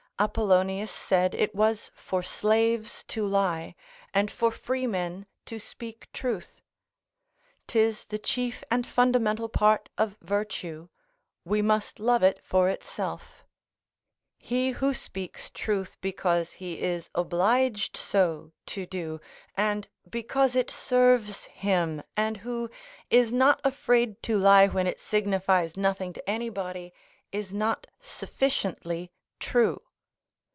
Apollonius said it was for slaves to lie, and for freemen to speak truth: 'tis the chief and fundamental part of virtue; we must love it for itself. He who speaks truth because he is obliged so to do, and because it serves him, and who is not afraid to lie when it signifies nothing to anybody, is not sufficiently true.